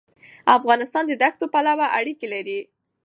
افغانستان د دښتو پلوه اړیکې لري.